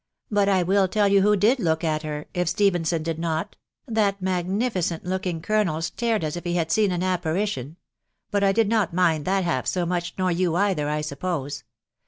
. .'But I wfll tell you who did.loak ;*t iier, if 'Stephenson did not. .• .that to again" c^t 4€K)]ring^oiKl stared as if he had seen an apparition; but I did uctanind Afeat fcalf so much, nor you either, I suppose.